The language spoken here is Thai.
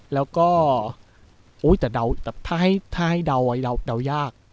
แล้วก็ถ้าให้เดาไว้เดายาก